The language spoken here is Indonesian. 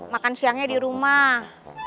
makan siangnya di rumah